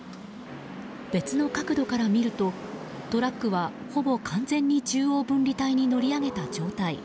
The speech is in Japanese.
別の角度から見るとトラックは、ほぼ完全に中央分離帯に乗り上げた状態。